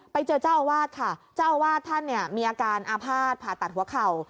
ไปเจอเจ้าอาวาสค่ะเจ้าอาวาสท่านเนี่ยมีอาการอาภาษณผ่าตัดหัวเข่า